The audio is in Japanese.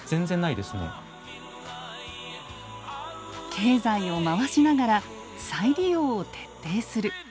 経済を回しながら再利用を徹底する。